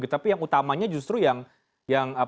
tapi yang utamanya justru yang